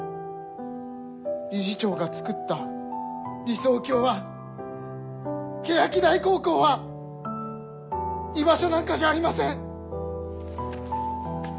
理事長がつくった理想郷は欅台高校は居場所なんかじゃありません。